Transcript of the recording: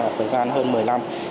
thời gian hơn một mươi năm